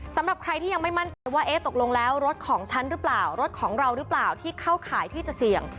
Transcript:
สำหรับใครที่ยังไม่มั่นใจว่าเอ๊ะตกลงแล้วรถของฉันหรือเปล่ารถของเราหรือเปล่าที่เข้าข่ายที่จะเสี่ยง